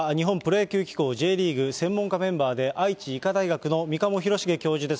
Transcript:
野球機構Ｊリーグ専門家メンバーで、愛知医科大学の三鴨廣繁教授です。